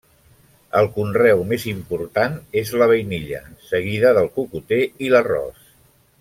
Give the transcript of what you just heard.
El conreu més important és la vainilla, seguida del cocoter i l'arròs.